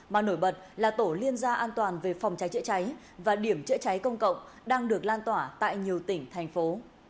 mà nổi bật là tổ liên gia an toàn về phòng cháy chữa cháy và điểm chữa cháy công cộng đang được lan tỏa tại nhiều tỉnh thành phố